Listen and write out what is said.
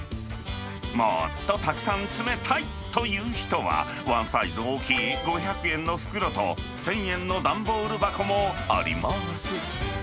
もっとたくさん詰めたいという人は、ワンサイズ大きい５００円の袋と、１０００円の段ボール箱もあります。